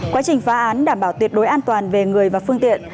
quá trình phá án đảm bảo tuyệt đối an toàn về người và phương tiện